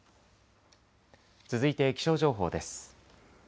続いて気象情報です。